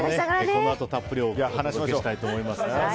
このあとたっぷりお届けしたいと思います。